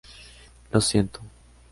Lo siento.